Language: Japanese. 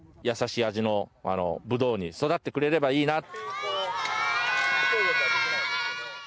優しい味のぶどうに育ってくれればいいな。